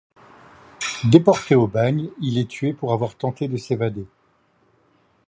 Déporté au bagne, il est tué pour avoir tenté de s’évader.